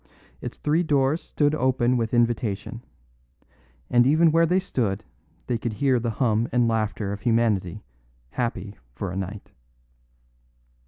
Its three doors stood open with invitation; and even where they stood they could hear the hum and laughter of humanity happy for a night.